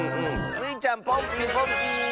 スイちゃんポンピンポンピーン！